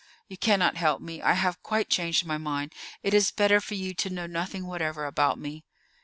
"You cannot help me. I have quite changed my mind. It is better for you to know nothing whatever about me."